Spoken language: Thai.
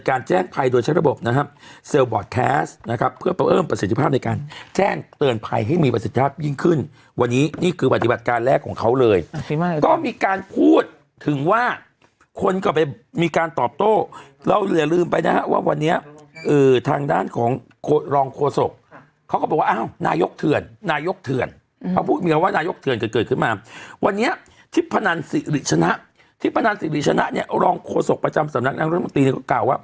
การแจ้งภัยโดยใช้ระบบนะฮะนะครับเพื่อเพิ่มประสิทธิภาพในการแจ้งเตือนภัยให้มีประสิทธิภาพยิ่งขึ้นวันนี้นี่คือปฏิบัติการแรกของเขาเลยก็มีการพูดถึงว่าคนก็ไปมีการตอบโต้เราเหลือลืมไปนะฮะว่าวันนี้อือทางด้านของโรงโฆษกเขาก็บอกว่าอ้าวนายกเถื่อนนายกเถื่อนเขาพูดมีคำว่านายก